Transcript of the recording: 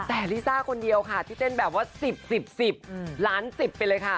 แต่ลิซ่าคนเดียวค่ะที่เต้นแบบว่า๑๐๑๐๑๐ล้าน๑๐ไปเลยค่ะ